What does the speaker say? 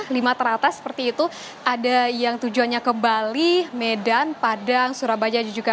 lima teratas seperti itu ada yang tujuannya ke bali medan padang surabaya dan juga